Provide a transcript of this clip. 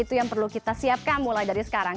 itu yang perlu kita siapkan mulai dari sekarang